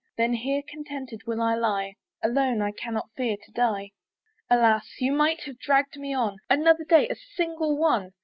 Then here contented will I lie; Alone I cannot fear to die. Alas! you might have dragged me on Another day, a single one!